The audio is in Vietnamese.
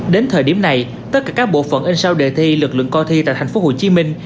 đến thời điểm này tất cả các bộ phận in sau đề thi lực lượng coi thi tại thành phố hồ chí minh